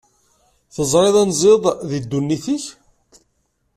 Teẓriḍ anziḍ di ddunit-ik?